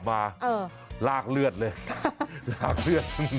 อกไทยแข็งมาลากเลือดเลยลากเลือด